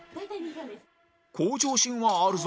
向上心はあるぞ